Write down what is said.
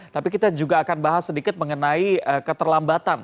tapi kita juga akan bahas sedikit mengenai keterlambatan